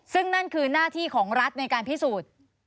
ซึ่งนั่นคือหน้าที่ของรัฐในการพิสูจน์